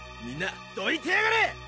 みんなどいてやがれ！